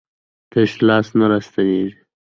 تش لاس نه راستنېږي.